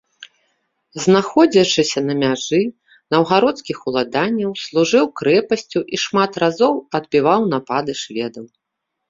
Знаходзячыся на мяжы наўгародскіх уладанняў, служыў крэпасцю і шмат разоў адбіваў напады шведаў.